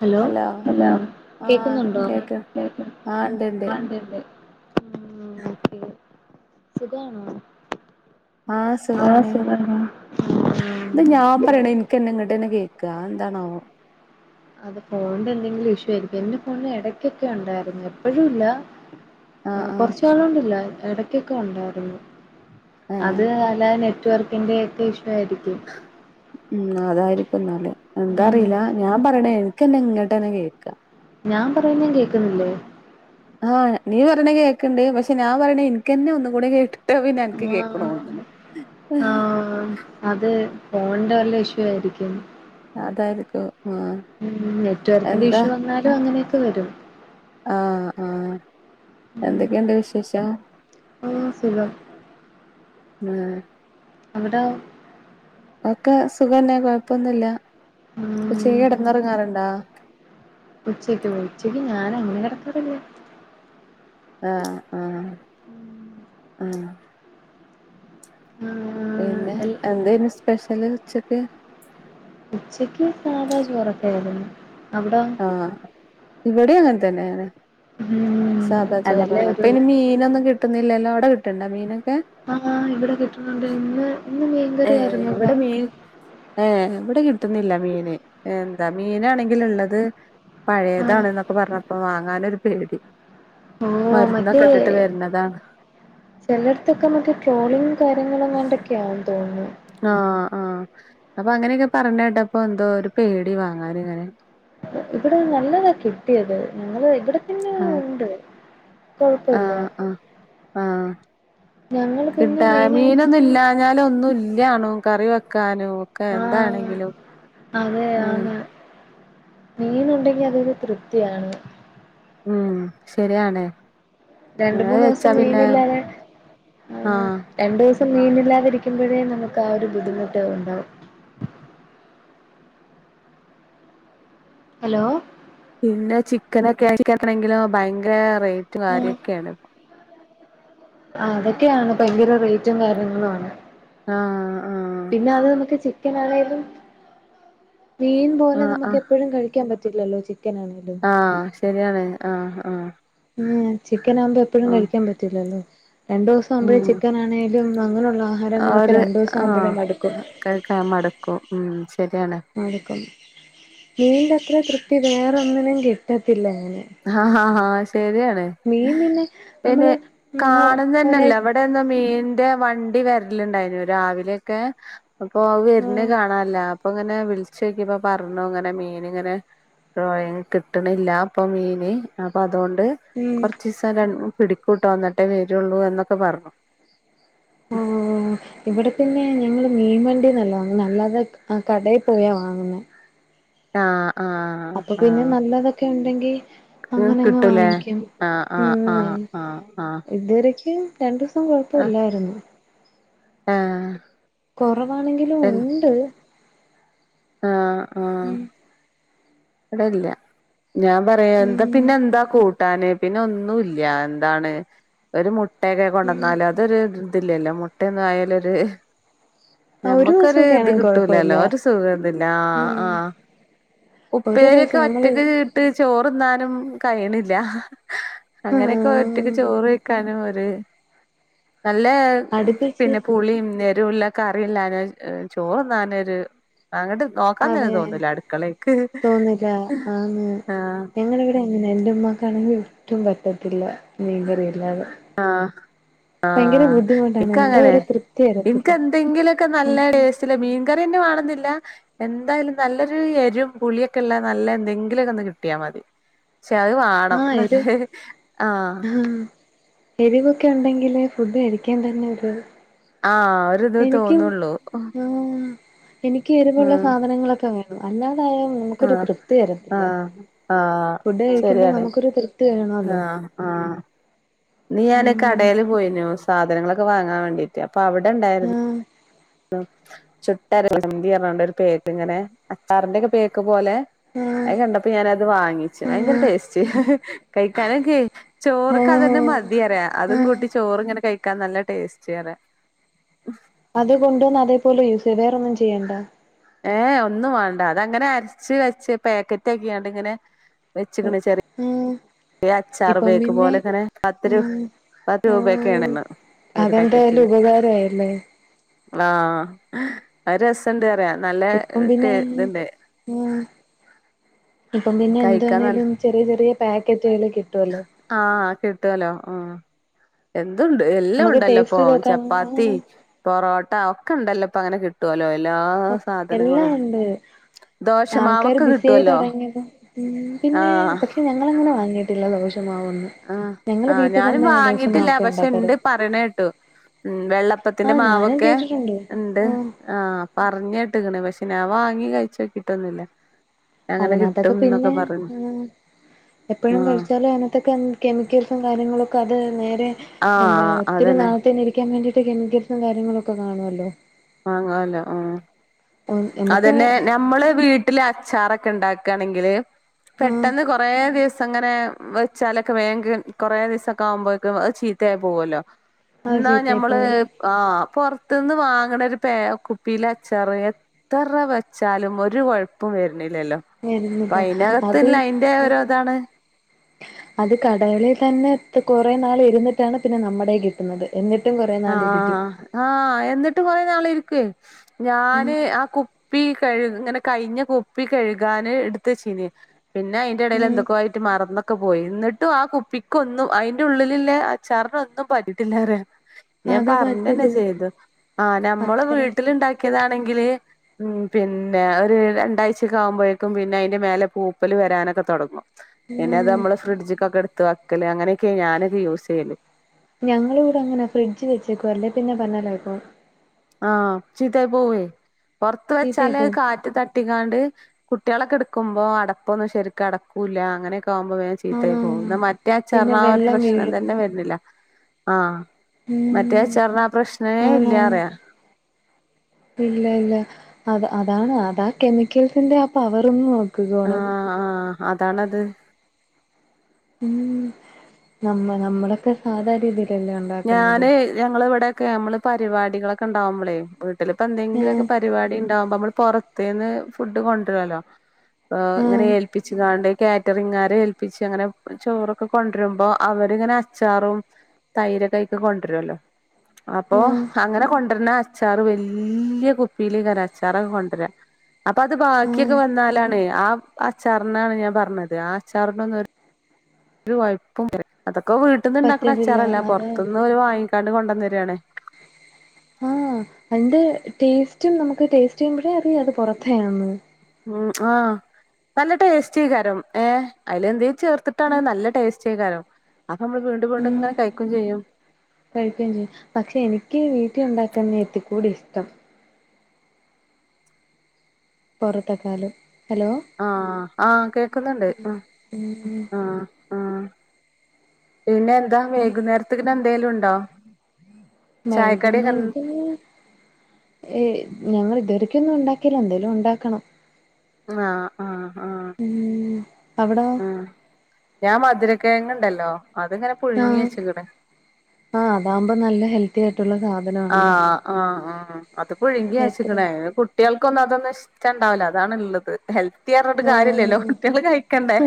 Hello ആഹ് കേക്കുന്നുണ്ടോ കേക്ക് കേക്ക്‌ണ് ആഹ് ഇണ്ട് ഇണ്ട് ആ ണ്ട് ണ്ട് ഉം ഓക്കെ സുഖവാണോ ആ സുഖാണ് ഇത് ഞാൻ പറയ്ണ് ഇൻക്കെന്നെ ഇങ്ങ്ട്ടന്നെ കേക്കാ അത് എന്താണാവോ അത് ഫോൺന്റെ എന്തെങ്കിലും ഇഷ്യൂ ആയ്രിക്കും എന്റെ ഫോൺല് എടയ്ക്കൊക്കെ ഉണ്ടായിരുന്നു എപ്പോഴുംഇല്ല ആഹ് ഉം ആഹ് കൊർച്ചാളോണ്ടില്ല എടയ്ക്കൊക്കെ ഉണ്ടായിരുന്നു ആഹ് അത് എല്ലാ നെറ്റ് വർക്കിൻ്റെയൊക്കെ ഇഷ്യൂ ആയിരിക്കും ഉം അതായിരിക്കും ന്നാല് എന്താ ഉം അറിയില്ല ഞാൻ പറയ്ണേ ക്കെന്നെ ഇങ്ങട്ടന്നെ കേക്കാ ഞാൻ പറയുന്നേം കേക്കുന്നില്ലേ ആ നീ പറയ്ണ കേക്ക്‌ണ്ട് പക്ഷെ ഞാൻ പറയ്ണ ഇൻക്കെന്നെ ഒന്നും കൂടെ കേക്ക്‌ ഇട്ടത് പിന്നെ അൻക്ക് കേക്ക്‌ണൂണ്ട് ആഹ് അത് ഫോൺന്റെ വല്ല ഇഷ്യൂ ആയിരിക്കും അതായിരിക്കും ആ ഉം നെറ്റ് വർക്കിന്റെ ഇഷ്യൂ വന്നാലും അങ്ങനെയൊക്കെ വരും ആ ആ ഉം എന്തൊക്കെയുണ്ട് വിശേഷം ഓ സുഖം [unintelligible] അവ്ടോ ഒക്കെ സുഖന്നെ കൊഴപ്പൊന്നുല്ല പക്ഷേ ഉം ഈ എടങ്ങേറ് ഇങ്ങനെണ്ടാ ഉച്ചയ്ക്ക് ഉച്ചയ്ക്ക് ഞാൻ അങ്ങനെ കെട്ക്കാറില്ല്യ ആഹ് ആഹ് ആഹ് ആഹ് ഉം ഉം പിന്നെ എന്തേയ്നു സ്പെഷ്യല് ഉച്ചയ്ക്ക് ഉച്ചയ്ക്ക് സാധാ ചോറന്നേണ്ന്ന് ആ ഇവടിം അങ്ങൻ തന്നേണ് ഉം സാധാ അതല്ലേ ചോറാണ് ഇപ്പൊ ഒരു അയ്‌ന് മീനൊന്നും കിട്ടുന്നില്ലല്ലോ അവ്ടെ കിട്ട്ണ്ടാ മീനൊക്കെ ആ ഇവ്ടെ കിട്ടുന്നുണ്ട് ഇന്ന് ഇന്ന് മീൻകറി ആായിരുന്നു ഇവ്ടെ ഏ ഇവ്ടെ കിട്ടുന്നില്ല മീന് എന്താ മീനാണെങ്കില് ള്ളത് ആഹ് പഴയതാണ് ന്നൊക്കെ പർഞ്ഞപ്പോ വാങ്ങാനൊര് പേടി ഓ മറ്റേ മരുന്നൊക്കെ ഇട്ടിട്ട് വരുന്നതാണ് ചെലട്ത്തൊക്കെ അമ്മക്ക് ട്രോളിങ്ങും കാര്യങ്ങളും എങ്ങാണ്ടൊക്കെയാന്ന് തോന്ന്ണു ആ ആ അപ്പ അങ്ങനെയൊക്കെ പറഞ്ഞേട്ടപ്പോ എന്തോ ഒരു പേടി വാങ്ങാന് ഇങ്ങനെ ഇവ്ടെ നല്ലതാ കിട്ടിയത് ഞങ്ങള് ഇവ്ടെ ത്തന്നേ ആഹ് ഉണ്ട് കുഴപ്പല്ല ആഹ് ആഹ് ആഹ് ഞങ്ങൾ പിന്നെ മെയിനായി ഇല്ലാ ഞാൻ ഒന്നും ഇല്ലണോ കറി വെക്കാനോ ക്ക ആഹ് എന്താണെങ്കിലും ഉം മീൻ ഉണ്ടെങ്കി അതൊരു തൃപ്തിയാണ് ഉം ശരിയണേ രണ്ട മൂന്ന് ദിവസം മീനില്ലാഞ്ഞാൽ ആഹ് രണ്ടു ദിവസം മീനില്ലാതിരിക്കുമ്പോഴേ നമുക്ക് ആ ഒരു ബുദ്ധിമുട്ട് ഉണ്ടാവും ഹലോ പിന്നെ ചിക്കനൊക്കെ ചിക്കണെങ്കിലും ഭയങ്കര റേറ്റും കാര്യൊക്കെയാണ് ആഹ് അതൊക്കെയാണ് ഭയങ്കര റേറ്റും കാര്യങ്ങളും ആണ് ആഹ് ആഹ് പിന്നെ അത് നമുക്ക് ചിക്കൻ ആണേലും മീൻ പോലെ ആഹ് നമുക്ക് ആഹ് എപ്പോഴും കഴിക്കാൻ പറ്റും പറ്റില്ലല്ലോ ചിക്കൻ ആണേലും ആഹ് ശരിയാണ് ആഹ് ആഹ് ഉം ചിക്കൻ ആകുമ്പോ എപ്പോഴും ആഹ് കഴിക്കാൻ പറ്റിലല്ലോ രണ്ടു ദിവസം ആകുമ്പോഴേ ഉം ചിക്കൻ ആണെങ്കലും അങ്ങനെയുള്ള ആ ആഹാരങ്ങളൊക്കെ ഒരു രണ്ടു ദിവസം ആഹ് ആകുമ്പോഴേ മടുക്കും [unintelligible] ഉം ശരിയാണ് മടുക്കും മീന്റത്ര തൃപ്തി വേറെന്നിനും കിട്ടത്തില്ല അങ്ങനെ ആഹ് ശരിയാണ് മീൻ പിന്നെ പിന്നെ നമ്മള് കാണുന്നന്നെല്ലേ ഒരാഴ് വിടെ ഇവിടെന്ന് മീന്റെ വണ്ടി വരലുണ്ടായിരുനു രാവിലെയൊക്കെ അപ്പൊ അത് വരുന്ന ആഹ് കാണാല്ല അപ്പ ഇങ്ങനെ വിളിച്ച് നോക്കിയ്പ്പ പറഞ്ഞു ഇങ്ങനെ മീൻ ഇങ്ങനെ ഡ്രോയിങ്ങ് കിട്ടണില്ല ഇപ്പൊ മീന് അപ്പൊ അതുകൊണ്ട് ഉം കൊറച്ച് ദിവസം ര പിടിക്കൂട്ടോ എന്നിട്ടേ വരുള്ളൂ എന്നൊക്കെ പറഞ്ഞു ഉം ആഹ് ഇവിടെ പിന്നെ ഞങ്ങള് മീൻവണ്ടീന്നല്ല വാങ്ങന്നെ അല്ലാതെ ആഹ് കടേ പോയ വാങ്ങുന്നെ ആഹ് -ആഹ് അപ്പൊ പിന്നെ ആഹ് നല്ലതൊക്കെ ഒണ്ടെങ്കി നിങ്ങക്ക് അങ്ങനങ്ങ് കിട്ടൂലേ വാങ്ങിക്കും ആഹ് ആഹ് ഉം ആഹ് ആഹ് ആഹ് ഇതുവരക്ക് രണ്ടുസം കൊഴപ്പയില്ലായിരുന്ന് ആഹ് കൊറവാണെങ്കിലും ആഹ് ഒണ്ട് ആഹ് -ആഹ് ഇവിടില്ല ഞാൻ പറയാ എന്താ ഉം പിന്നെ എന്താ കൂട്ടാന് പിന്നെ ഒന്നും ഇല്ല്യ എന്താണ് ഒരു മുട്ടയൊക്കെ ഉം കൊണ്ടുവന്നാല് അതൊരു ഇതില്ലല്ലോ മുട്ടയൊന്ന് ആയാലൊര് ആഹ് ഒരു ഞമ്മക്കൊരു ദിവസൊക്കെ ഇത് ആണെങ്കി കൊഴപ്പല്ല കിട്ടൂലല്ലോ ഒരു സുഖം ഉം ആഹ് ഒരു ഉപ്പേരിയൊക്കെ ദിവസം നമ്മള് ഒറ്റക്ക് ഇട്ട് ചോറുന്നാനും കഴിയണില്ല അങ്ങനെയൊക്കെ ഒറ്റക്ക് ആഹ് ചോറ് കഴിക്കാനും ഒരു നല്ലേ അടുപ്പിച്ച് പിന്നെ പുളിയും എരിവുള്ള കറിയില്ലാഞ്ഞാൽ ചോറുന്നാനൊരു അങ്ങട്ട് നോ അതെ തോന്നില്ലാ ആന്ന് ആഹ് എങ്ങനെ എങ്ങനെ എന്റുമ്മാക്കാണെങ്കി ഒട്ടും പറ്റത്തില്ല മീൻ കറിയില്ലാതെ ആഹ് ആഹ് എന്തോ ഇക്കങ്ങനെ ഒരു തൃപ്തി എൻക്ക് വരത്തില്ല എന്തെങ്കിലൊക്കെ നല്ലെ ഒരു സ്റ്റില് മീൻകറിയന്നെ വേണന്നില്ല എന്തായാലും നല്ലൊരു എരിവും പുളിയൊക്കെ ഉള്ള നല്ല എന്തെങ്കിലൊക്കെ ഒന്ന് കിട്ടിയാ മതി ക്ഷെ അത് വാണം ആഹ് എരു നല്ലെ ആഹ് എരിവൊക്കെ ഉണ്ടെങ്കില് ഫുഡ് കഴിക്കാൻ തന്നെ ഒരു ആഹ് ഒരിത് എനിക്കും തോന്നുള്ളൂ ആഹ് എനിക്ക് എരുവുള്ള ആഹ് സാധനങ്ങളൊക്കെ വേണം അല്ലാതായ നമുക്കൊരു ആഹ് തൃപ്തി വരത്തില്ല ആഹ് ആഹ് ഫുഡ് കഴിക്കുമ്പോ ശരിയാണ് നമുക്കൊരു തൃപ്തി വേണോല്ലോ [unintelligible] ഇന്നി ഞാന് കടയില് പോയിനു സാധനങ്ങളൊക്കെ വാങ്ങാൻ വേണ്ടീട്ട് അപ്പൊ അവിടൊണ്ടാ ഉം ചുട്ടരച്ച ചമ്മന്തി ഏതാണ്ട് ഒരു പേക്ക് ഇങ്ങനെ അച്ചാറിന്റെയൊക്കെ പേക്ക് പോലെ ആഹ് അത് കണ്ടപ്പോ ഞാനത് വാങ്ങിച്ചു ഭയങ്കര ടേസ്റ്റ് കഴിക്കാനൊക്കെ ചോറക്ക് അതന്നെ ഓഹ് മതിയറിയാ അതും ആഹ് കൂട്ടി ചോറിങ്ങനെ കഴിക്കാൻ നല്ല ടേസ്റ്റിയറാ അത് കൊണ്ടുവന്ന് അതേപോലെ യൂസ് ചെയ്യ്‌ വേറെൊന്നും ചെയ്യേണ്ട ഏഹ് ഒന്നും വേണ്ട അതങ്ങനെ അരച് വെച്ച് പാക്കറ്റാക്കിയിങ്ങണ്ടിങ്ങനെ വെച്ചക്കണ് ചെറി ഉം യ അച്ചാറ് ഇപ്പം പാക്ക് പിന്നെ പോലെ ഇങ്ങനെ പത്ത് രൂ ഉം പത് ഉം രൂപയൊക്കെയാണിന്ന് അതെന്തായാലും ഉപകാരായല്ലേ ആഹ് അത് രസൊണ്ട് പറയാൻ ഇപ്പം പിന്നേ ഉം ഇപ്പം പിന്നെ എന്ത് കഴിക്കാൻ നല്ല വേണേലും ചെറിയ ചെറിയ പാക്കറ്റുകളിൽ കിട്ടുവല്ലോ ആഹ് കിട്ടുവല്ലോ ആഹ് എന്തുണ്ട് എല്ലാം നമുക്ക് ഉണ്ടല്ലോ ടേസ്റ്റ് ഇപ്പൊ ചെയ്ത് നോക്കാൻ ചപ്പാത്തി പൊറോട്ട ഒക്കെ ഉണ്ടല്ലോ ഇപ്പ അങ്ങനെ കി ട്ടുവോലോ എല്ലാ എല്ലാം സാധനങ്ങളും ഒണ്ട് ആൾക്കാര് ദോശമാവൊക്കെ ബിസി ആയി കിട്ടുവല്ലോ തൊടങ്ങിയതും പിന്നെ ആഹ് പക്ഷെ ഞങ്ങളങ്ങന വാങ്ങീറ്റില്ല ദോശമാവൊന്ന് ആഹ് ആഹ് ഞാനും വാങ്ങിട്ടില്ല പക്ഷെ ഉണ്ടാക്കാറ് ഇണ്ട് പറയണ കേട്ടു ഉം വെള്ളപ്പത്തിന്റെ ആഹ് ഞാനും മാവൊക്കെ കേട്ടിട്ടുണ്ട് ഇണ്ട് ഉം ആഹ് പറഞ്ഞിട്ട്ക്കണ് പക്ഷെ ഞാൻ വാങ്ങി കഴിച്ച് നോക്കിട്ടൊന്നുല്ല അതിനാത്തക്ക പിന്നെ ഉം എപ്പഴും ആഹ് കഴിച്ചാലും അതിനാത്തക്കെ എൻ കെമിക്കൽസും കാര്യങ്ങളൊക്ക അത് നേരെ എന്താ ആഹ് ഒത്തിരി അതന്നെ നാളത്തേനെ ഇരി ക്കാൻ വേണ്ടീട്ട് കെമിക്കൽസും കാര്യങ്ങളൊക്ക കാണുല്ലോ ആഹ് ഹാ അല്ല ആഹ് നമുക്ക് അതന്നെ ഞമ്മള് വീ ട്ടില് അച്ചാറക്ക ഇണ്ടാക്കയാണെങ്കില് ആഹ് പെട്ടന്ന് കൊറേ ദെവസം ഇങ്ങ വെച്ചാലക്ക വേങ്ക് കൊറെ ദിവസൊക്ക ആവുമ്പോക്കും ചീത്തയായി പോവോല്ലോ ആഹ് എന്നാ ചീത്തയായി ഞമ്മള് പോവും ആഹ് പൊറത്ത്ന്ന് വാങ്ങണ ഒരു പേ കുപ്പീല അച്ചാറെ എത്തറ വെച്ചാലും ഒര് കൊഴപ്പോം വരണില്ലല്ലോ പ്പ വരുന്നില്ല അത് അയിന്കത്ത്ല്ല അയിന്റ ഓരോ ഇതാണ് അത് കടകളി തന്ന ഏതു കൊറേ നാള് ഇരുന്നിട്ടാണ് പിന്ന നമ്മടെ കിട്ടുന്നത് എന്നിട്ടും കൊറേ നാൾ ഇരിക്കും ആഹ് ആഹ് എന്നിട്ട് കൊറെ നാള് ഇരിക്കുവേ ഉം ഞാന് ആ കു പ്പി കഴ് ഇങ്ങന കഴിഞ്ഞ കുപ്പി കഴുകാന് എടുത്ത്ച്ചീനി പിനെ അയിന്റ എടേല് ഉം എന്തൊക്കോ ആയിട്ട് മറന്ന് ഒക്ക പോയി എന്നിട്ടും ആ കുപ്പിക്കൊന്നും അയിന്റ ഉള്ളില് ഉള്ള അച്ചാറിന് ഒന്നും പറ്റീട്ടില്ലറിയാം ഞാൻ അത് പറഞ്ഞന്ന പറ്റത്തില്ല ചെയ്ത് ആഹ് നമ്മള് അത്രയും വീട്ടിലിണ്ടാക്കിയതാണെങ്കില് ഉം പിന്ന ഒര് രണ്ടാഴ്ച്ചേക്ക ആകുമ്പോഴേക്കും പിന്നെ അയിന്റ മേലെ പൂപ്പല് വരാനൊക്ക തൊടങ്ങും പിന്നെ അത് ഉം നമ്മള് ഫ്രിഡ്ജ്ക്കൊക്ക എടുത്ത് വക്കല് അങ്ങനെക്കെ ഞാന്ക്ക യൂസ് ചെയ്യല് ഞങ്ങള് ഇവിട അങ്ങനാ ഫ്രിഡ്ജ് വെച്ചേക്കും അല്ലേ പിന്നെ ബെന്നാലായി പോകും ആഹ് ചീത്തായി പോവേ പൊറത്ത് വെച്ചാല് ചീത്തയായി അഹ് പോവും കാ റ്റ് തട്ടിക്കാണ്ട് കുട്ടികളക്ക എടുക്കുമ്പോ അടപ്പൊന്നും ശരിക്കും അടക്കൂല്ല അങ്ങനെ ക്കാവുമ്പോ വേം ചീത്ത ആയി പോകും ആഹ് എന്നാ മറ്റേ പിന്നെ അച്ചാറിന് ആ ഒര് വെള്ളം പ്രശ്നം വീഴും തന്നെ വരുന്നില്ല ആഹ് മറ്റേ ഉം അച്ചാറിന് അപ്രശ്നേ ഇല്ല ആണാണ് പറയ ഇല്ല ഇല്ല അത് അതാണ് അതാ കെമിക്കൽസിന്റെ ആ പവറൊന്നും ആഹ് ആഹ് അതാണത് ഉം നമ്മ നമ്മളൊക്ക സാധാ രീതിയിലല്ലേ [unintelligible] ഞാന് ഞങ്ങള് ഇവിടെക്കെ നമ്മള് പരിപാടികളൊക്ക ഇണ്ടാവുമ്പൾ വി ട്ടില് ഇപ്പ എന്തെങ്കിലുംക്ക ആഹ് പരിപാടി ഇണ്ടാവുമ്പോ നമ്മള് പൊറത്ത്ന്ന് ഫുഡ് കൊണ്ട്രോല്ലോ ഏഹ് ഇങ്ങനെ ആഹ് ഏൽപ്പിച്ച് കാണ്ടെ കാറ്ററിങ്ങാരെ ഏൽപ്പിച്ച് അങ്ങനെ ചോറൊക്ക കൊണ്ടുവരുമ്പോ അവരിങ്ങനെ അച്ചാറും തൈരക്കെ അയിക്ക് കൊണ്ടുവരുല്ലോ അപ്പോ ആഹ് അങ്ങന കൊണ്ട് വരണ അ അച്ചാറ് വല്ല്യയ കുപ്പിയിലേകാരം അച്ചാറൊക്ക കൊണ്ടര അപ്പ അത് ബാക്കിയൊക്ക ആഹ് വന്നാലാണേ ആ അച്ചാറിനാണ് ഞാൻ പറഞ്ഞത് ആ അച്ചാറിനൊന്നും ഓ ഒരു കൊയ്പും [unintelligible] അതൊക്ക വീട്ടിന്ന് ഇണ്ടാക്കണ പറ്റത്തില്ല അച്ചാറല്ല അതെ പൊറത്തുന്ന് ഓല് വാങ്ങിക്കാണ്ട് കൊണ്ടന്ന് രാണ് ആ അതിന്റ ടേസ്റ്റും നമ്മക്ക് ടേസ്റ്റ് ചെയ്യുമ്പോഴേ അറിയാ അത് പൊറത്തേ ആന്നെന്ന് ഉം ആഹ് നല്ല ടേസ്റ്റികരം ഏഹ് അയില് എന്തേലും ചേർത്തിട്ടാണ് നല്ല ടേ ചെയ്ക്കാരം അപ്പ നമ്മള് വീണ്ടും വീണ്ടും ഉം ഇങ്ങനെ കഴിക്കും ചെയ്യും കഴിക്കുകയും ചെയ്യും പക്ഷെ എനിക്ക് വീട്ടിൽ ഒണ്ടാക്ക്ന്നേ ഇത്തി കൂടി ഇഷ്ടം പൊറത്തക്കാലും ആഹ് ആഹ് കേക്ക്ന്നുണ്ട് ഉം ഉം ആഹ് ആഹ് പിന്നെ എന്താ വൈകുന്നേരത്തിക്ന് എന്തേലും ഇണ്ടോ വൈകുന്നേരത്തിന് ഏയ് ഞങ്ങള് ഇത് വരേക്കും ഒന്നും ഒണ്ടാക്കീല്ല എന്തേലും ഒണ്ടാക്കണം ആഹ് ആഹ് ആഹ് ഉം അവിടോ ആഹ് ഞാൻ മധുരക്കെഴങ്ങ് ഒണ്ടല്ലോ അത്ങ്ങനെ പുഴുങ്ങി ആഹ് വെച്ച്ക്ക്ണ് ആഹ് അതാകുമ്പോ നല്ല ഹെൽത്തി ആയിട്ട്ള്ള സാധ- ആഹ് ആഹ് ആഹ് അത് പുഴുങ്കി എത്ര ആച്ച്ക്ക്ണ് അത് കു- കുട്ട്യാൾക്കൊന്നും അതൊന്നും ഇഷ്ടണ്ടാവില്ല അതാണ്ള്ളത്. ഹെൽത്തി പറഞ്ഞ്ട്ട് കാര്യല്ലല്ലോ ഓഹ് കുട്ട്യാള് കഴിക്കണ്ടെ.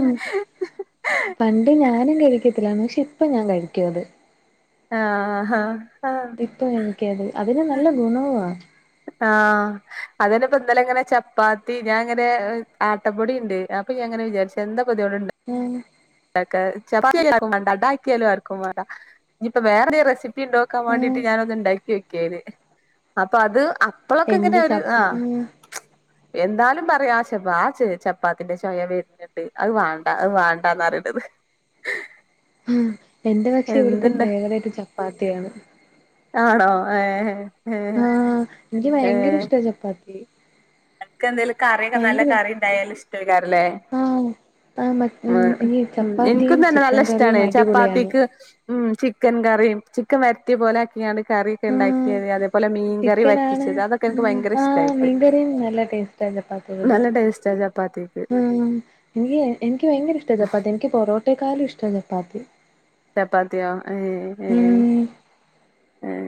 ഇത് ഞാനും കഴിക്കത്ത്ല്ലാര്ന്നു. പക്ഷെ ഇപ്പ ഞാൻ കഴിക്കും അത്. ആഹ് ഹാ ആഹ്. ഇപ്പ ഇൻക്കത്, അതിന് നല്ല ഗുണൊവ്ആ. ആഹ് അതെന്നെപ്പൊ ഇന്നലെങ്ങനെ ചപ്പാത്തി ഞാങ്ങനെ ആട്ടപ്പൊടിണ്ട് അപ്പൊ ഞാങ്ങനെ വിചാരിച്ച് - എന്താപ്പൊതോണ്ട് ആഹ് ഇണ്ടാക്കാ - ചപ്പാത്ത്യാര്ക്കും വാണ്ട, അഡാക്ക്യാലും ആർക്കും വാണ്ട. ഇഞ്ഞ്പ്പൊ വേറെന്തേലും റെസ്പ്പിണ്ടോക്കാൻവാണ്ടീട്ട് ആഹ് ഞാനൊന്ന് ഇണ്ടാ - ക്കൽ അപ്പൊ അത് അപ്പളൊക്കെങ്ങനെ എന്റെ ഒര് ചപ് ആഹ്, എന്താലും പറയാ ആ ചപ്പാ ആ ചെ ചപ്പാത്തിന്റെ ചൊയ വെര് - ഞ്ഞ്ട്ട് അഹ് വാണ്ട അഹ് വാണ്ടാന്നറയ്ണത്. ഹിം എന്റെതോക്കെ ഇവ്ട്ത്തെ എന്തുണ്ട് ഫേവറൈറ്റ് ചപ്പാത്ത്യാണ്. ആണോ ഏഹെ? ആഹ് എനിക്ക് ഭയങ്കര ഇഷ്ടാ ചപ്പാത്തി. അയ്ക്കെന്തേലും കറിയൊക്കെ നല്ല ഭയങ്കര കറി ഇണ്ടായാല്ഷ്ടെക്കാരംലേ? ആഹ് ആഹ് മറ്റ് ഈ ഉം എനിക്കും ചപ്പാത്തിയും തന്നെ ചിക്കൻ നല്ല കറിയും ഇഷ്ടാണ് അടിപൊളിയാണ് ചപ്പാത്തീക്ക്- ഉം ചിക്കൻ കറീം, ചിക്കൻ വരട്ട്യേ പോലെ ആക്കീങ്ങാണ്ട് കറി- ആഹ് ക്കെഇണ്ടാക്കിയത് അതേപോലെ മീൻകറി വറ്റിച്ചത് അതൊക്കെ ഇൻക്ക് ഭയങ്കര ഇഷ്ടാ അയ്ക്ക്. കറീം നല്ല ടേസ്റ്റ. തേഞ്ഞപ്പം നല്ല ടേസ്റ്റാ ചപ്പാത്തീക്ക്. ആഹ് എനിക്ക് എനിക്ക് ഭയങ്കര ഇഷ്ടാ ചപ്പാത്തി. എനിക്ക് പൊറോട്ടേക്കാളും ഇഷ്ടാ ചപ്പാത്തി. ചപ്പാത്ത്യോ ഏഹ് ഏഹ് ഉം ഏഹെ?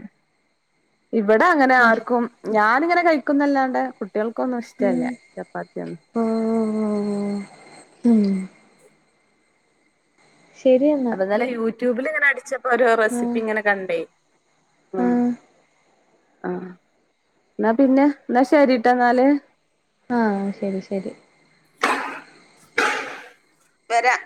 ഇവടെ അങ്ങനെ ആഹ് ആർക്കും ഞാനിങ്ങനെ കഴിക്കുംന്നല്ലാതെ - കുട്ട്യാൾക്കൊന്നും ഇഷ്ടല്ല ഉം ചപ്പാത്ത്യോന്നും. ഓഹ് ഉം ശരി എന്നാ അപ്പന്നലെ യൂട്യൂബില് ഇങ്ങനെ അടിച്ചപ്പോ ഓരോ ആഹ് റെസിപ്പി ഇങ്ങനെ കണ്ടേ. ആഹ് ആഹ് ഇന്നാ പിന്നെ ഇന്നാ ശെരിട്ടോന്നാല്. ആഹ് ശരി ശരി. വെരാഹ്.